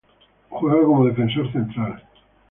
Juega como defensor central.